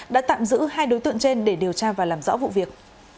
đã tạm giữ hai đối tượng trên để điều tra và làm rõ vụ việc